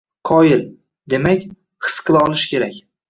— Qoyil. Demak, his qila olish kerak.